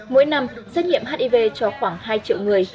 mỗi năm xét nghiệm hiv cho khoảng hai triệu người